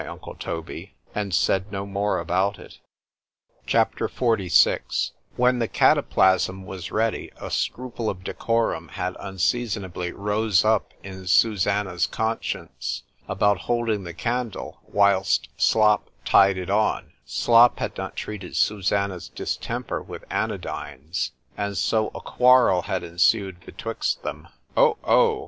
——Le tour est ingénieux, &c. &c. C H A P. XLVI WHEN the cataplasm was ready, a scruple of decorum had unseasonably rose up in Susannah's conscience, about holding the candle, whilst Slop tied it on; Slop had not treated Susannah's distemper with anodynes,—and so a quarrel had ensued betwixt them. ——Oh! oh!